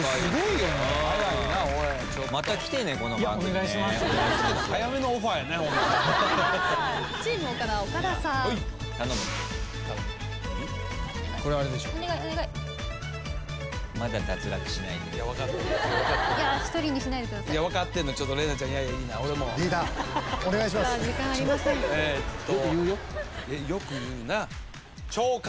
よく言うなぁ。